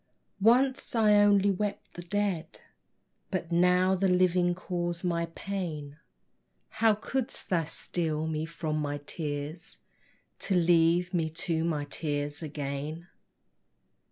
Once I only wept the dead, But now the living cause my pain: How couldst thou steal me from my tears, To leave me to my tears again?